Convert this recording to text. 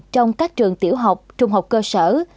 trong các trường tiểu học trung học cơ sở